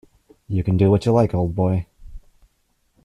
You can do what you like, old boy!